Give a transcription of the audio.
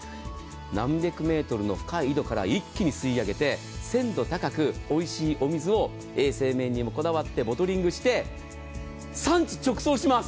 何百メートルの深い井戸から一気に吸い上げて鮮度高く、おいしいお水を衛生面にもこだわってボトリングして産地直送します。